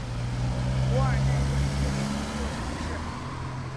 博尔奈斯是瑞典的一座城市。